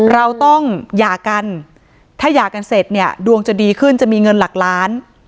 เราต้องหย่ากันถ้าหย่ากันเสร็จเนี่ยดวงจะดีขึ้นจะมีเงินหลักล้าน